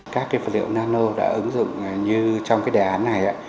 các phần liệu nano đã ứng dụng như trong đề án này